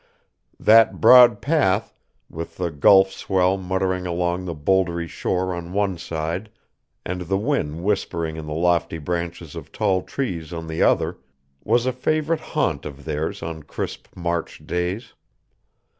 That broad path, with the Gulf swell muttering along the bouldery shore on one side and the wind whispering in the lofty branches of tall trees on the other, was a favorite haunt of theirs on crisp March days.